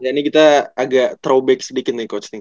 jadi kita agak throwback sedikit nih coach nih